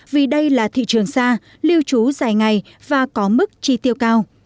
vì đây là thị trường xa lưu trú dài ngày và có mức chi tiêu cao